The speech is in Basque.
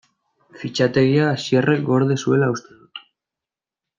Fitxategia Asierrek gorde zuela uste dut.